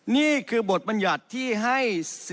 นี่คือบทปัญหาที่ให้